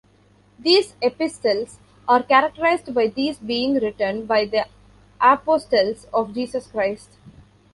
These epistles are characterized by these being written by the apostles of Jesus Christ.